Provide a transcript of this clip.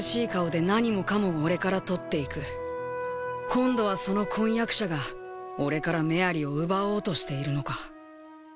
今度はその婚約者が俺からメアリを奪おうとしているのか。